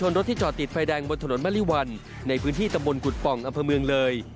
รถที่จอดติดไฟแดงบนถนนมะลิวันในพื้นที่ตำบลกุฎป่องอำเภอเมืองเลย